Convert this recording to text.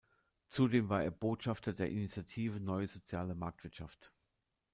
Zudem war er Botschafter der Initiative Neue Soziale Marktwirtschaft.